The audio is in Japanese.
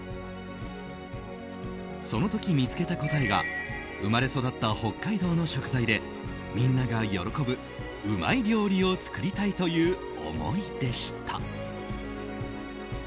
その時、見つけた答えが生まれ育った北海道の食材でみんなが喜ぶ、うまい料理を作りたいという思いでした。